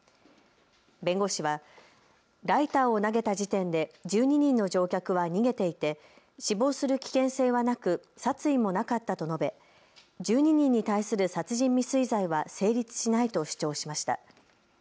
弁護士はライターを投げた時点で１２人の乗客は逃げていて死亡する危険性はなく殺意もなかったと述べ１２人に対する殺人未遂罪は成立しないと主張しました。